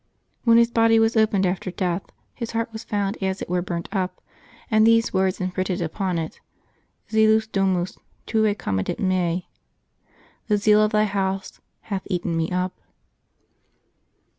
" When his body was opened after death, his heart was found as it were burnt up, and these words imprinted around it: Zelus domus Tuae comedit me "—" The zeal of Thy house hath eaten me up."